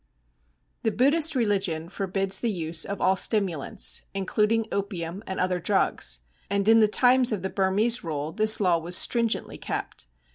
_ The Buddhist religion forbids the use of all stimulants, including opium and other drugs; and in the times of the Burmese rule this law was stringently kept.